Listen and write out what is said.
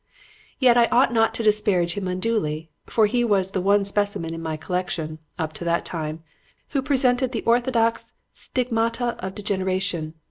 "Yet I ought not to disparage him unduly, for he was the one specimen in my collection, up to that time, who presented the orthodox 'stigmata of degeneration.'